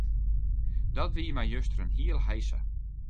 Dat wie my juster in hiele heisa.